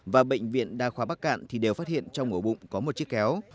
và bệnh viện đa khoa bắc cạn thì đều phát hiện trong ổ bụng có một chiếc kéo